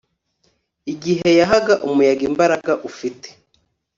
igihe yahaga umuyaga imbaraga ufite